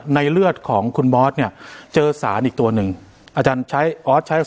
เลือดของคุณบอสเนี่ยเจอสารอีกตัวหนึ่งอาจารย์ใช้ออสใช้